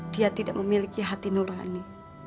dia tidak memiliki hati nurani